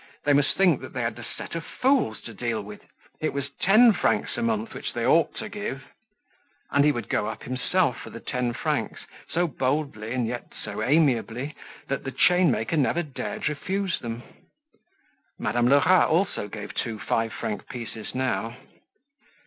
They must think that they had a set of fools to deal with! It was ten francs a month which they ought to give! And he would go up himself for the ten francs so boldly and yet so amiably that the chainmaker never dared refuse them. Madame Lerat also gave two five franc pieces now.